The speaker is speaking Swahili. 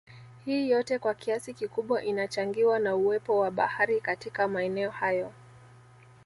Hii yote kwa kiasi kikubwa inachangiwa na uwepo wa Bahari katika maeneo hayo